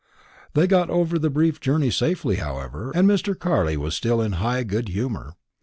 They got over the brief journey safely, however, and Mr. Carley was still in high good humour.